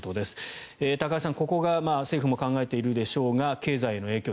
高橋さん、ここが政府も考えているでしょうが経済への影響